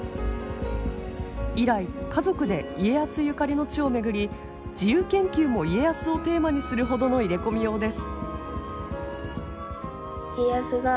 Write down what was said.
以来家族で家康ゆかりの地を巡り自由研究も家康をテーマにするほどの入れ込みようです。